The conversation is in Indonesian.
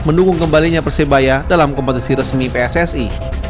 mendukung kembalinya persebaya dalam kompetisi resmi pssi